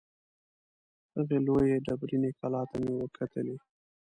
هغې لویې ډبریني کلا ته مې وکتلې.